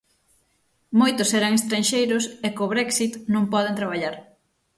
Moitos eran estranxeiros e, co Brexit, non poden traballar.